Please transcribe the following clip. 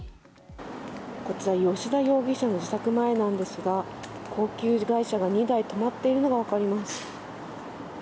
こちら吉田容疑者の自宅前なんですが高級外車が２台止まっているのが分かります。